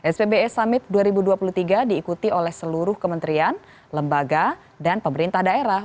spbe summit dua ribu dua puluh tiga diikuti oleh seluruh kementerian lembaga dan pemerintah daerah